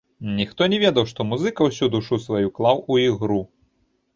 Ніхто не ведаў, што музыка ўсю душу сваю клаў у ігру.